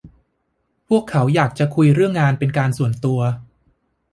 พวกเขาอยากจะคุยเรื่องงานเป็นการส่วนตัว